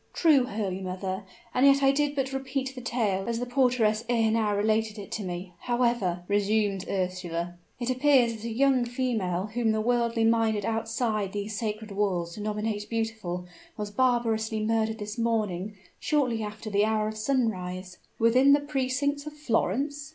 "True, holy mother! and yet I did but repeat the tale as the porteress ere now related it to me. However," resumed Ursula, "it appears that a young female, whom the worldly minded outside these sacred walls denominate beautiful, was barbarously murdered this morning shortly after the hour of sunrise " "Within the precincts of Florence?"